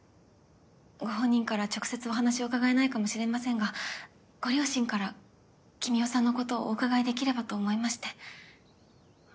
ご本人から直接お話を伺えないかもしれませんがご両親から君雄さんのことをお伺いできればと思いまして。